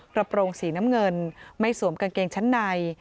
กระโปรงสีน้ำเงินไม่สวมกางเกงชั้นใน